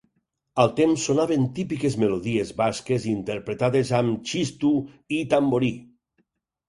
Al temps sonaven típiques melodies basques interpretades amb txistu i tamborí.